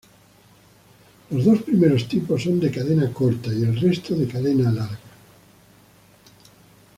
Los dos primeros tipos son de cadena corta y el resto de cadena larga.